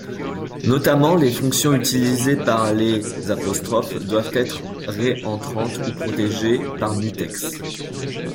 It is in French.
Notamment, les fonctions utilisées par les ' doivent être réentrantes ou protégées par mutex.